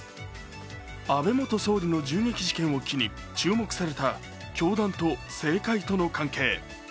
安倍元総理の銃撃事件を機に注目これた教団と政界との関係。